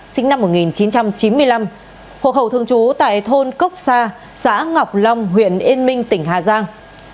sinh năm một nghìn chín trăm chín mươi năm hộ khẩu thường trú tại thôn cốc sa xã ngọc long huyện yên minh tỉnh hà giang